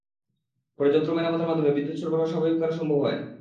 পরে যন্ত্র মেরামতের মাধ্যমে বিদ্যুৎ সরবরাহ স্বাভাবিক করা করা সম্ভব হয়।